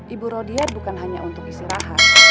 ibu rodia bukan hanya untuk istirahat